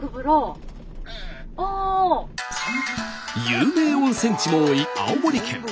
有名温泉地も多い青森県。